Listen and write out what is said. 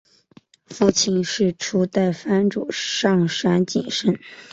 父亲是初代藩主上杉景胜。